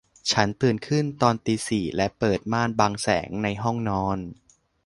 ฉันตื่นขึ้นตอนตีสี่และเปิดม่านบังแสงในห้องนอน